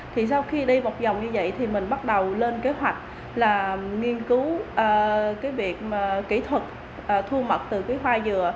thì sau khi đi một dòng như vậy thì mình bắt đầu lên kế hoạch là nghiên cứu cái việc kỹ thuật thu mật từ cái hoa dừa